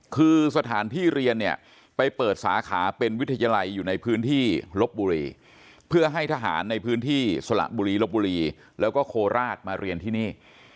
คือสถานที่เรียนเนี่ยไปเปิดสาขาเป็นวิทยาลัยอยู่ในพื้นที่ลบบุรีเพื่อให้ทหารในพื้นที่สละบุรีลบบุรีแล้วก็โคราชมาเรียนที่นี่